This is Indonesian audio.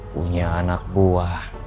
punya anak buah